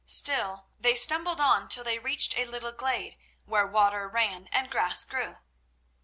Still, they stumbled on till they reached a little glade where water ran and grass grew.